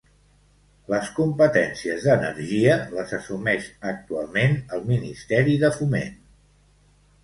Les competències d'energia les assumeix actualment el Ministeri de Foment.